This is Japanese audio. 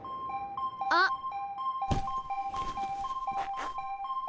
あっ。